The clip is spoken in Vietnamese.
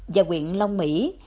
và quyện long mỹ